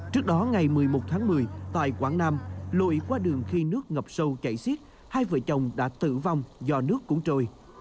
trước đó ngày một mươi một tháng một mươi tại quảng nam lội qua đường khi nước ngập sâu chảy xiết hai vợ chồng đã tử vong do nước cũng trôi